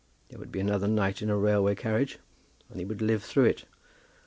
There would be another night in a railway carriage, but he would live through it.